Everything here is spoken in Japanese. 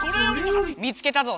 見つけたぞ！